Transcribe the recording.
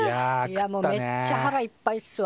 いやもうめっちゃ腹いっぱいっすわ。